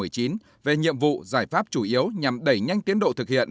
thủ tướng chính phủ giải pháp chủ yếu nhằm đẩy nhanh tiến độ thực hiện